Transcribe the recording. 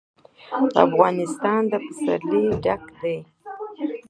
افغانستان له پسرلی ډک دی.